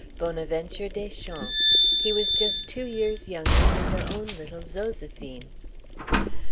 Bonaventure Deschamps: he was just two years younger than their own little Zoséphine.